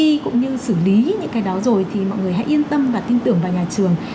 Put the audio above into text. và các bạn đã xử lý những cái đó rồi thì mọi người hãy yên tâm và tin tưởng vào nhà trường